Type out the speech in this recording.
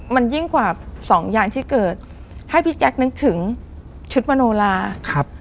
มันยิ่งกว่าสองอย่างที่เกิดให้พี่แจ๊คนึกถึงชุดมโนลาครับ